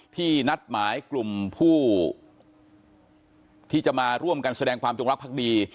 นัดหมายกลุ่มผู้ที่จะมาร่วมกันแสดงความจงรักภักดี